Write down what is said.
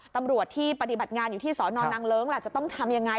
ตำรวจที่ปฏิบัติงานอยู่ที่สอนอนนางเลิ้งล่ะจะต้องทำยังไง